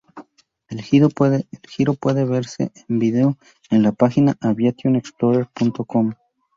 El giro puede verse en vídeo en la página AviationExplorer.com.